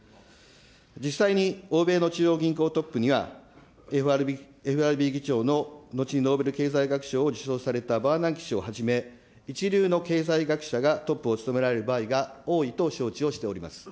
実際に欧米の中央銀行トップには、ＦＲＢ議長の、後にノーベル経済学賞を受賞されたバーナンキ氏をはじめ、一流の経済学者がトップを務められる場合が多いと承知をしております。